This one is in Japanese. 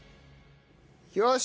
よし！